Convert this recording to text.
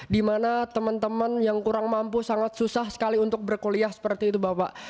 dimana teman teman yang kurang mampu sangat susah sekali untuk berkuliah seperti itu bapak